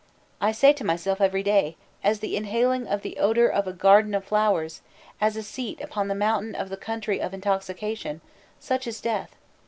I say to myself every day: As the inhaling of the odour of a garden of flowers, as a seat upon the mountain of the Country of Intoxication, such is death....